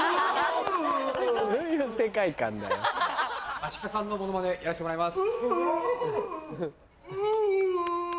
アシカさんのモノマネやらせてもらいます。